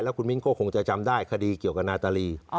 คุณมิ้นก็คงจะจำได้คดีเกี่ยวกับนาตาลี